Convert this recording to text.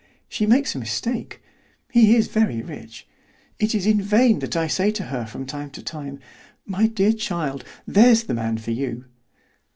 She makes a mistake; he is very rich. It is in vain that I say to her from time to time, 'My dear child, there's the man for you.